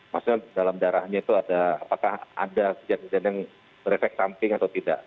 maksudnya dalam darahnya itu ada apakah ada kejadian kejadian yang berefek samping atau tidak